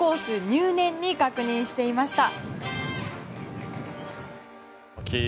入念に確認していました。